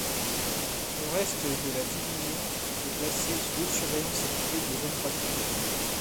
Le reste de la division est placé sous haute surveillance et privé de zanpakutō.